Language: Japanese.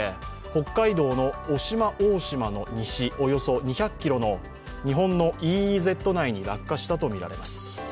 北海道の渡島大島の西、およそ２００ｋｍの日本のＥＥＺ内に落下したとみられます。